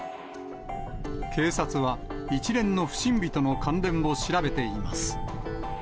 警察は、一連の不審火との関連を調べています。